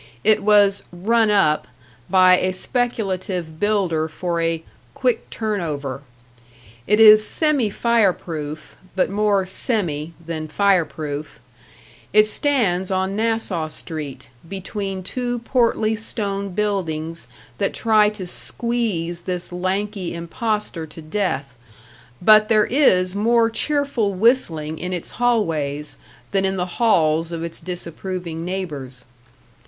It was "run up" by a speculative builder for a "quick turn over." It is semi fire proof, but more semi than fire proof. It stands on Nassau Street, between two portly stone buildings that try to squeeze this lanky impostor to death, but there is more cheerful whistling in its hallways than in the halls of its disapproving neighbors.